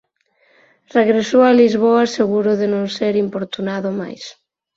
Regresou a Lisboa seguro de non ser importunado máis.